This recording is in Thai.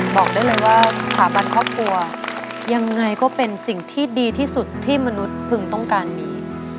บอกได้เลยว่าสถาบันครอบครัวยังไงก็เป็นสิ่งที่ดีที่สุดที่มนุษย์พึงต้องการมี